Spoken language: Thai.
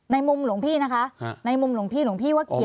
ในมุมหลวงพี่นะคะในมุมหลวงพี่หลวงพี่ว่าเกี่ยว